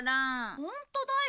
ホントだよ。